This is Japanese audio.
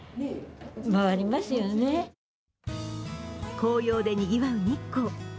紅葉でにぎわう日光。